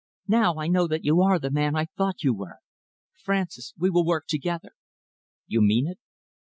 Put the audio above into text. Now I know that you are the man I thought you were. Francis, we will work together." "You mean it?"